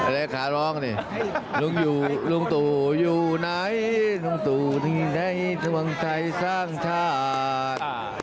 เลขาร้องนี่ลุงตู่อยู่ไหนลุงตู่ถึงไหนทวงไทยสร้างชาติ